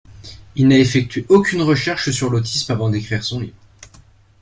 Il n'a effectué aucune recherche sur l'autisme avant d'écrire son livre.